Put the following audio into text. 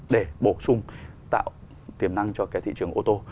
để bổ sung tạo tiềm năng cho cái thị trường ô tô